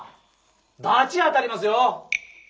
罰当たりますよ！